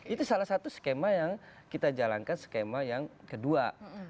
itu salah satu skema yang kita jalankan skema yang kedua